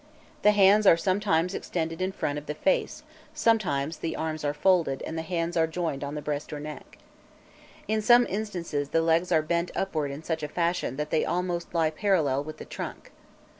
The hands are sometimes extended in front of the face, sometimes the arms are folded and the hands joined on the breast or neck. In some instances the legs are bent upward in such a fashion that they almost lie parallel with the trunk.